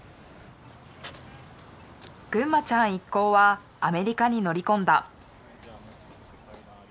ぐんまちゃん一行はアメリカに乗り込んだ。